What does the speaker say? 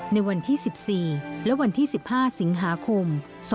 ในวันที่๑๔และวันที่๑๕สิงหาคม๒๕๖